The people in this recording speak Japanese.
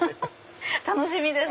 楽しみです！